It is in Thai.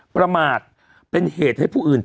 ประมาทเป็นเหตุให้ผู้อื่น